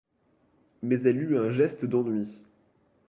Mais elle eut un geste d'ennui.